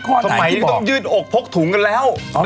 ข้อไหนที่บอกทำไมที่ต้องยืดอกพกถุงกันแล้ว